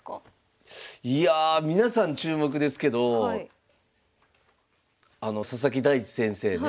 いや皆さん注目ですけどあの佐々木大地先生ね。